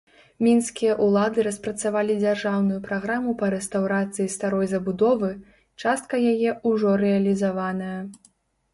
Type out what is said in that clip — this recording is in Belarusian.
Мінскія ўлады распрацавалі дзяржаўную праграму па рэстаўрацыі старой забудовы, частка яе ўжо рэалізаваная.